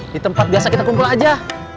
di tempat biasa kita kumpul aja